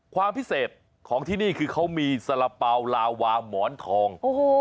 ความพิเศษของที่นี่คือเขามีสาระเป๋าลาวาหมอนทอง